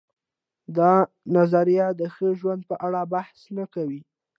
دا نظریه د ښه ژوند په اړه بحث نه کوي.